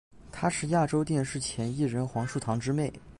她是亚洲电视前艺人黄树棠之妹。